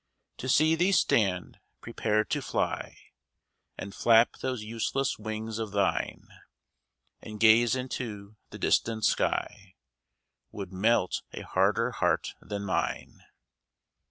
To see thee stand prepared to fly, And flap those useless wings of thine, And gaze into the distant sky, Would melt a harder heart than mine.